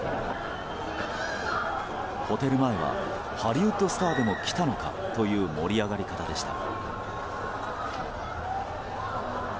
ホテル前はハリウッドスターでも来たのかという盛り上がり方でした。